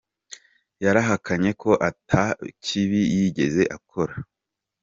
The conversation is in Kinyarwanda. Yarahakanye ko ata kibi yigeze akora.